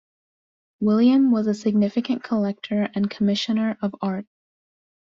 William was a significant collector and commissioner of art.